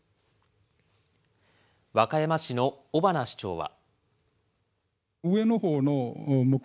和歌山市の尾花市長は。